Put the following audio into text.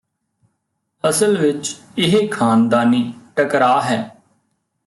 ਅਸਲ ਵਿਚ ਇਹ ਖ਼ਾਨਦਾਨੀ ਟਕਰਾਅ ਹੈ